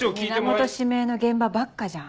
源指名の現場ばっかじゃん。